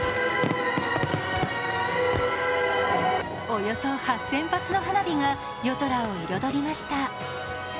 およそ８０００発の花火が夜空を彩りました。